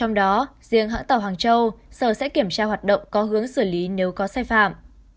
trong đó riêng hãng tàu hàng châu sở sẽ kiểm tra hoạt động có hướng xử lý nếu có sai phạm